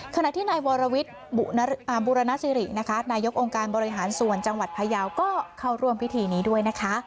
ขณะที่นายวรวิทย์บุรณสิรินะคะนายกองค์การบริหารส่วนจังหวัดพยาวก็เข้าร่วมพิธีนี้ด้วยนะคะ